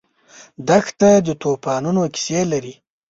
دښته د توفانونو کیسې لري.